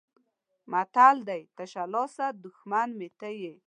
متل دی: تشه لاسه دښمن مې ته یې.